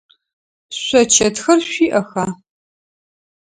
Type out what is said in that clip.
Шъо чэтхэр шъуиӏэха?